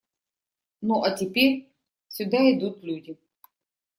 Ну, а теперь… сюда идут люди.